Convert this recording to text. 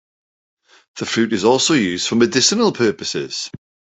The fruit is also used for medicinal purposes.